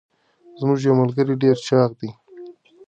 زمونږ یوه ملګري ډير چاغ دي.